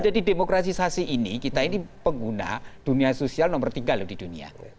jadi demokrasisasi ini kita ini pengguna dunia sosial nomor tiga loh di dunia